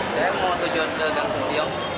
saya mau tujuan ke gangsung tiong